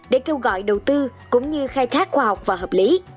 để kêu gọi đầu tư cũng như khai thác khoa học và hợp lý